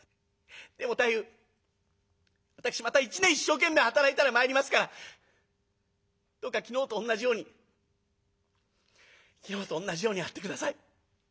でも太夫私また一年一生懸命働いたら参りますからどうか昨日とおんなじように昨日とおんなじように会って下さい。